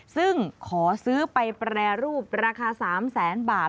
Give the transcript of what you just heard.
ซึ่งขอซื้อไปแปรรูปราคา๓แสนบาท